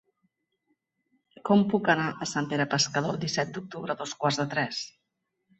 Com puc anar a Sant Pere Pescador el disset d'octubre a dos quarts de tres?